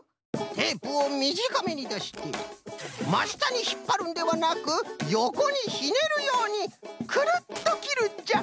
テープをみじかめにだしてましたにひっぱるんではなくよこにひねるようにくるっときるんじゃ。